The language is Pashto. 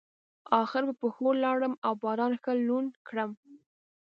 اخر په پښو لاړم او باران ښه لوند کړلم.